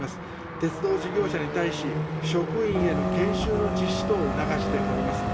鉄道事業者に対し、職員への研修の実施等を促しております。